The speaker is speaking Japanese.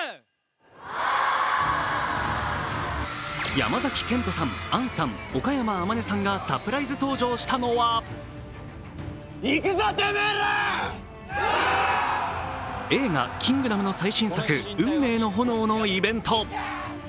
山崎賢人さん、杏さん、岡山天音さんがサプライズ登場したのは映画「キングダム」の最新作「運命の炎」のイベント。